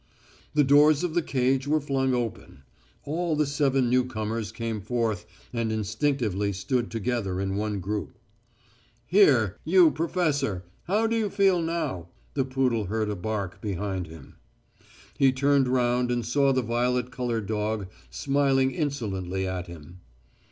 The doors of the cage were flung open. All the seven new comers came forth and instinctively stood together in one group. "Here, you professor, how do you feel now?" The poodle heard a bark behind him. He turned round and saw the violet coloured dog smiling insolently at him.